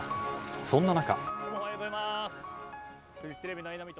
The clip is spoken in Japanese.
そんな中。